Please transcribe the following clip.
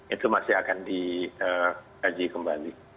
itu masih akan dikaji kembali